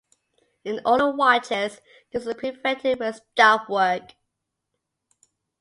In older watches this was prevented with 'stopwork'.